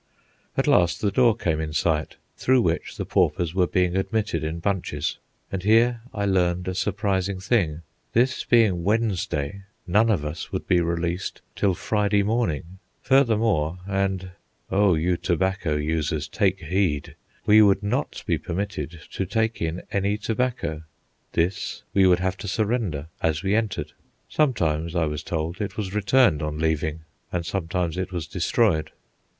At last the door came in sight, through which the paupers were being admitted in bunches. And here I learned a surprising thing: this being Wednesday, none of us would be released till Friday morning. Furthermore, and oh, you tobacco users, take heed: we would not be permitted to take in any tobacco. This we would have to surrender as we entered. Sometimes, I was told, it was returned on leaving and sometimes it was destroyed.